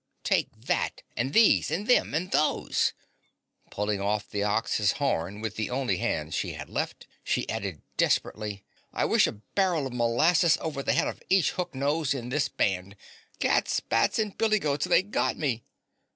"Take that and these and them and THOSE!" Pulling off the Ox's horn with the only hand she had left, she added desperately, "I wish a barrel of molasses over the head of each Hook Nose in this band. Cats, Bats and Billy Goats! They've GOT me!"